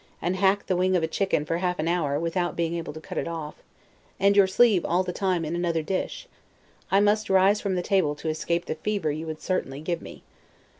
and hack the wing of a chicken for half an hour, without being able to cut it off, and your sleeve all the time in another dish, I must rise from the table to escape the fever you would certainly give me.